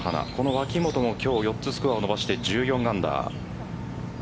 脇元も今日、４つスコアを伸ばして１４アンダー。